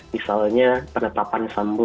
misalnya penetapan sambo